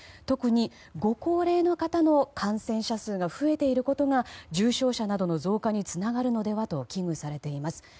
特にご高齢の方の感染者数が増えていることが重症者などの増加につながるのではと危惧されています。